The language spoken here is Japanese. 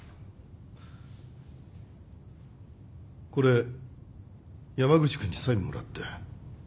これ山口君にサインもらって。